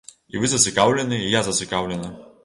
І вы зацікаўленыя, і я зацікаўлена.